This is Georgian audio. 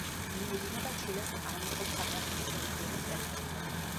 მიედინება ჩილეს ანტოფაგასტის რეგიონის ტერიტორიაზე.